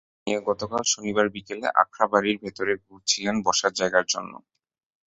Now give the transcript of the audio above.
তাঁদের নিয়ে গতকাল শনিবার বিকেলে আখড়াবাড়ির ভেতর ঘুরছিলেন বসার জায়গার জন্য।